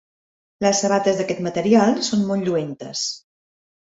Les sabates d'aquest material són molt lluentes.